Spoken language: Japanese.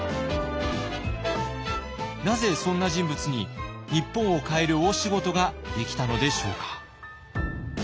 なぜそんな人物に日本を変える大仕事ができたのでしょうか。